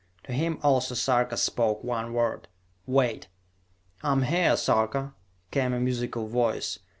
To him also Sarka spoke one word. "Wait!" "I am here, Sarka!" came a musical voice.